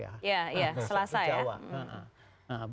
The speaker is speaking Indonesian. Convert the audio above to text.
iya iya selasa ya